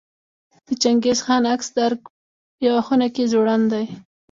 د چنګیز خان عکس د ارګ په یوه خونه کې ځوړند دی.